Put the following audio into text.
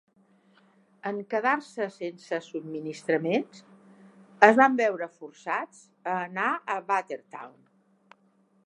En quedar-se sense subministraments, es van veure forçats a anar a Bartertown.